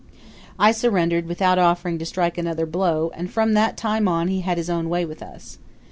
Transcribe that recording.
I surrendered without offering to strike another blow and from that time on he had his own way with us.